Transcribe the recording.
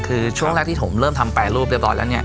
คือช่วงแรกที่ผมเริ่มทำแปรรูปเรียบร้อยแล้วเนี่ย